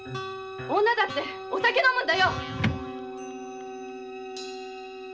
女だってお酒飲むんだよ！